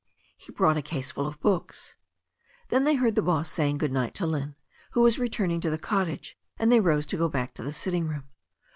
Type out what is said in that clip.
He brought a ease ful of books." Then they heard the boss saying good night to Lynne, who was returning to the cottage, and they rose to go back to the sitting room.